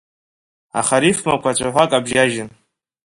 Аха арифмақәа цәаҳәак абжьажьны.